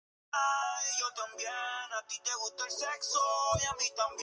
En la canción aparece Fat Joe.